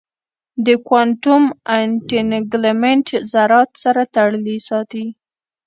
د کوانټم انټنګلمنټ ذرات سره تړلي ساتي.